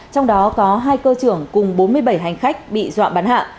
trong đó có hai cơ trưởng cùng bốn mươi bảy hành khách bị dọa bắn hạ